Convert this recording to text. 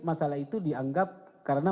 masalah itu dianggap karena